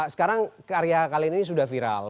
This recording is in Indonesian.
sekarang karya kalian ini sudah viral